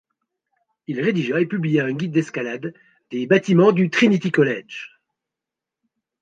Il rédigea et publia un guide d'escalade des bâtiments du Trinity College.